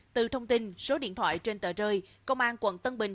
từ thông tin số điện thoại trên tờ rơi công an quận tân bình